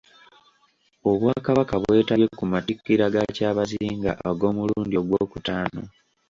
Obwakabaka bwetabye ku Matikkira ga Kyabazinga ag'omulundi ogwokutaano